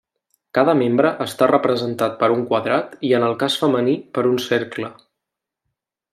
Cada membre està representat per un quadrat i en el cas femení per un Cercle.